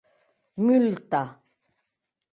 Multa!